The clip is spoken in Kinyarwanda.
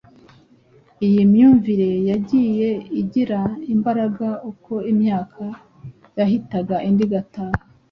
Iyi myumvire yagiye igira imbaraga uko imyaka yahitaga indi igataha